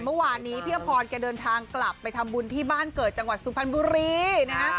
เมื่อวานนี้พี่อพรแกเดินทางกลับไปทำบุญที่บ้านเกิดจังหวัดสุพรรณบุรีนะฮะ